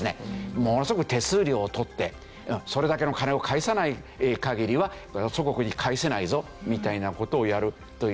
ものすごく手数料を取ってそれだけの金を返さない限りは祖国に帰せないぞみたいな事をやるという。